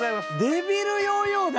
デビルヨーヨーだ！